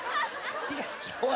おい。